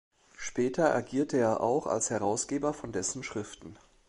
Später agierte er auch als Herausgeber von dessen Schriften.